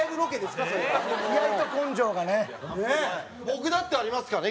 僕だってありますからね